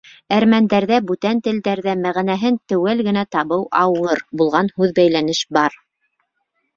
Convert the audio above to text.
Әрмәндәрҙә бүтән телдәрҙә мәғәнәһен теүәл генә табыу ауыр булған һүҙбәйләнеш бар.